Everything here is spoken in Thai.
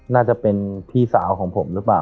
น่าจะเป็นพี่สาวของผมหรือเปล่า